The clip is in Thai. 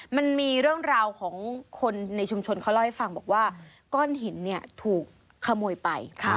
มันมีเรื่องราวของคนในชุมชนเขาเล่าให้ฟังบอกว่าก้อนหินเนี่ยถูกขโมยไป